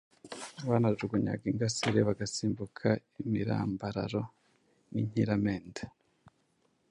banajugunyaga ingasire, bagasimbuka imirambararo n’inkiramende,